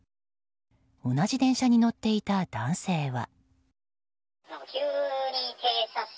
同じ電車に乗っていた男性は。